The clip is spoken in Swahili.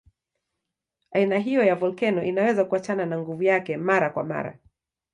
Aina hiyo ya volkeno inaweza kuachana na nguvu yake mara kwa mara.